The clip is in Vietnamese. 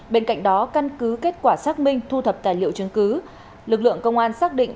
bên cạnh đó căn cứ kết quả xác minh thu thập tài liệu chứng cứ lực lượng công an xác định